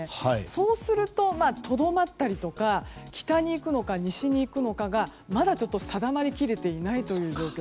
そうするととどまったりとか北に行くのか西に行くのかがまだ定まり切れていない状況。